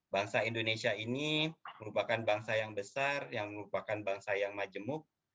bangsa indonesia ini merupakan bangsa yang besar yang merupakan bangsa yang majemuk